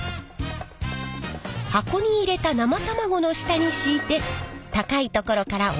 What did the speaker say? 箱に入れた生卵の下に敷いて高い所から落としてみます。